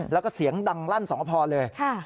แล้วก็เสียงดังลั่นสองพอเลย